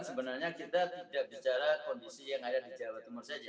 sebenarnya kita tidak bicara kondisi yang ada di jawa timur saja